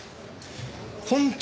本当